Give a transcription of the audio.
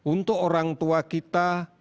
untuk orang tua kita